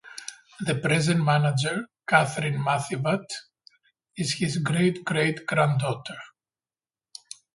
The present manager, Catherine Mathivat, is his great-great-granddaughter.